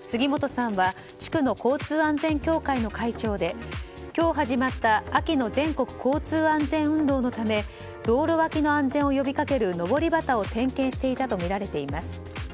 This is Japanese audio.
杉本さんは地区の交通安全協会の会長で今日始まった秋の全国交通安全運動のため道路脇の安全を呼びかけるのぼり旗を点検していたとみられています。